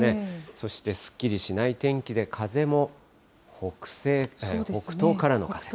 そしてすっきりしない天気で、風も北東からの風。